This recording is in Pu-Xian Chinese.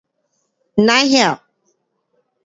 不知曉